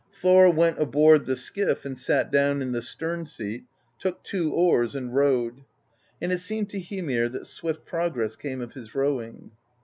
"Thor went aboard the skiff and sat down in the stern seat, took two oars and rowed; and it seemed to Hymir that swift progress came of his rowing.